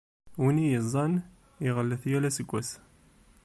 Win i iyi-iẓẓan, iɣellet yal aseggas.